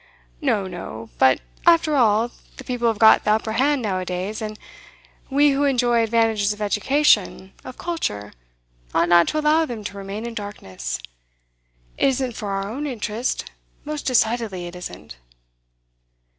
'No, no. But, after all, the people have got the upper hand now a days, and we who enjoy advantages of education, of culture, ought not to allow them to remain in darkness. It isn't for our own interest, most decidedly it isn't.